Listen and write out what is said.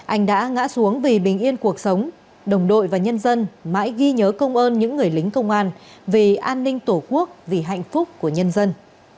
anh đã ngã xuống vì bình yên cuộc sống đồng đội và nhân dân mãi ghi nhớ công ơn những người lính công an vì an ninh tổ quốc vì hạnh phúc của nhân dân